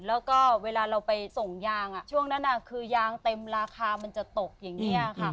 แล้วก็เวลาเราไปส่งยางช่วงนั้นคือยางเต็มราคามันจะตกอย่างนี้ค่ะ